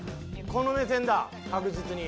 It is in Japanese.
この目線だ確実に。